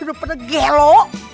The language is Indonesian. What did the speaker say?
ih udah pedek gelo